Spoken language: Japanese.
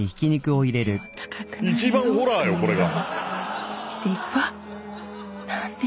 一番ホラーよこれが。